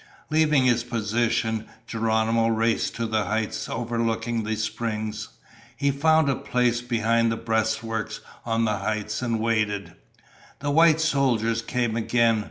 Leaving his position, Geronimo raced to the heights overlooking the springs. He found a place behind the breastworks on the heights and waited. The white soldiers came again.